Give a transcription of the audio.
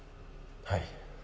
はい。